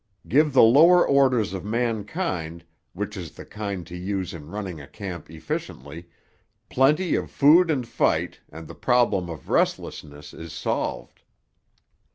Give the lower orders of mankind, which is the kind to use in running a camp efficiently, plenty of food and fight, and the problem of restlessness is solved.